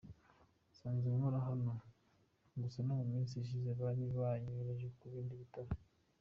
Nsanzwe nkora hano, gusa mu minsi ishize bari baranyohereje ku bindi bitaro.